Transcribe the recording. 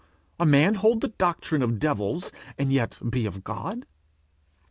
a man hold the doctrine of devils, and yet be of God?'